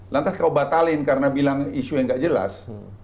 lantas kamu batalin karena bilang isu yang gak jelas